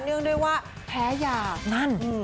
เนื่องด้วยว่าแพ้ยานั่น